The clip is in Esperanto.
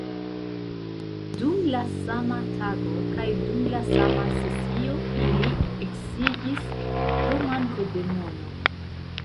Dum la sama tago kaj dum la sama sesio, ili eksigis"—pro manko de mono!